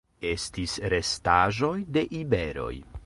Estis restaĵoj de iberoj.